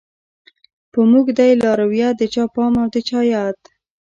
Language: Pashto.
په موږ دی لارويه د چا پام او د چا ياد